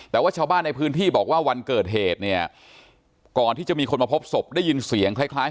แต่ว่าชาวบ้านในพื้นที่บอกว่าวันเกิดเหตุเนี่ยก่อนที่จะมีคนมาพบศพได้ยินเสียงคล้ายคล้าย